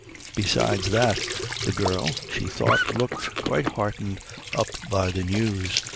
Besides that, the girl, she thought, looked quite heartened up by the news.